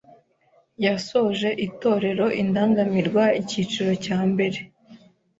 yasoje itorero Indangamirwa icyiciro cya mbere